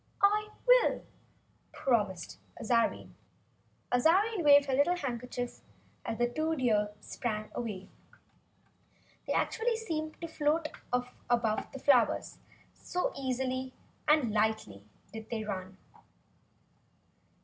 "I will," promised Azarine, waving her little red handkerchief as the two deer sprang away. They actually seemed to float off above the flowers, so lightly and easily did they run.